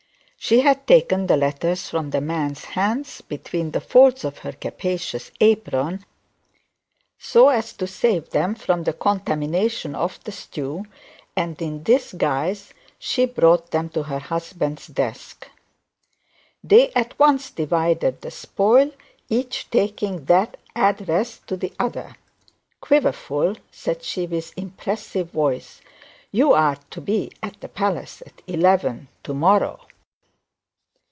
She had taken the letters from the man's hands between the folds of her capacious apron, so as to save them from the contamination of the stew, and in this guise she brought them to her husband's desk. They at once divided the spoil, each taking that addressed to the others. 'Quiverful,'said she with impressive voice, 'you are to be at the palace at eleven to morrow.'